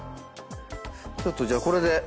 ちょっとじゃあこれで。